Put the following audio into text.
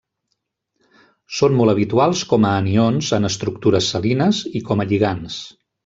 Són molt habituals com a anions en estructures salines i com a lligands.